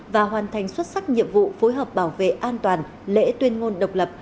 và hoàn thành xuất sắc nhiệm vụ phối hợp bảo vệ an toàn lễ tuyên ngôn độc lập